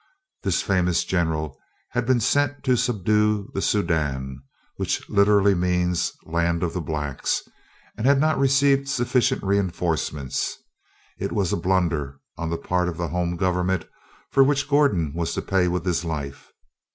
This famous General had been sent to subdue the Soudan, which literally means "Land of the Blacks," and had not received sufficient reinforcements. It was a blunder on the part of the home Government for which Gordon was to pay with his life.